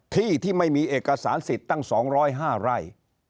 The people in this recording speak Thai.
ที่ที่ไม่มีเอกสารสิทธิ์ตั้ง๒๐๕ไร่